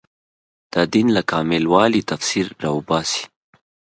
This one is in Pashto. د دین له کامل والي تفسیر راوباسي